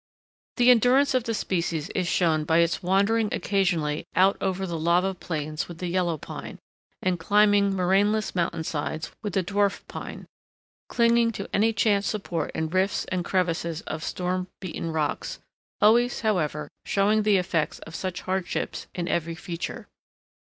The endurance of the species is shown by its wandering occasionally out over the lava plains with the Yellow Pine, and climbing moraineless mountain sides with the Dwarf Pine, clinging to any chance support in rifts and crevices of storm beaten rocks—always, however, showing the effects of such hardships in every feature.